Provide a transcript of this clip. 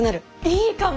いいかも。